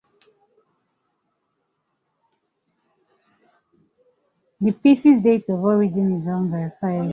The piece’s date of origin is unverifiable.